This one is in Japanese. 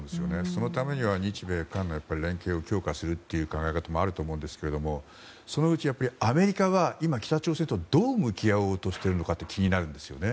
そのためには日米韓が連携を強化するという考え方もあると思いますがそのうちアメリカは今、北朝鮮とどう向き合おうとしているのか気になります。